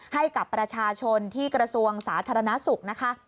ให้กับประชาชนที่กระทรวงสาธารณสุขนะคะ